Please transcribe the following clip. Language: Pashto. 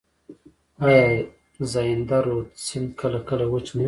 آیا زاینده رود سیند کله کله وچ نه وي؟